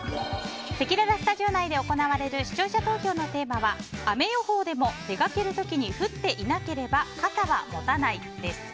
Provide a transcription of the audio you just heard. せきららスタジオ内で行われる視聴者投票のテーマは雨予報でも出かける時に降っていなければ傘は持たないです。